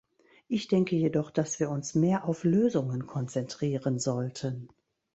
Ich denke jedoch, dass wir uns mehr auf Lösungen konzentrieren sollten.